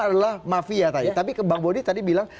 adalah mafia tadi tapi bang bodi tadi bilang